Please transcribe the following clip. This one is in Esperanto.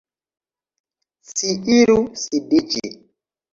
Ci iru sidiĝi.